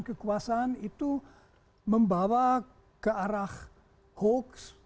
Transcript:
kekuasaan itu membawa ke arah hoax